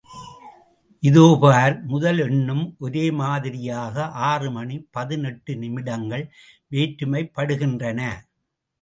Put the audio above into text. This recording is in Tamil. இதோ பார், முதல் எண்ணும் ஒரே மாதிரியாக ஆறு மணி பதினெட்டு நிமிடங்கள் வேற்றுமைப் படுகின்றன.